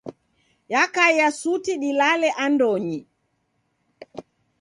Yakaia suti dilale andonyi.